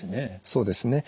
そうですね